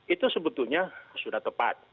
itu sebetulnya sudah tepat